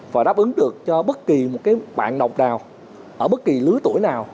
và đáp ứng được cho bất kỳ một cái bạn độc đào ở bất kỳ lưới tuổi nào